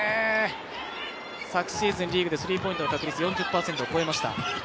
昨シーズンリーグでスリーポイントの確率４０％を超えました。